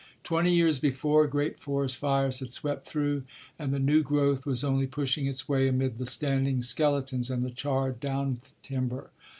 Twenty years before great forest fires had swept through, and the new growth was only pushing its way amid the standing skeletons and the charred down timber.